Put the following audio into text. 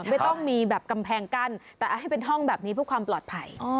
ไม่ต้องมีแบบกำแพงกั้นแต่ให้เป็นห้องแบบนี้เพื่อความปลอดภัย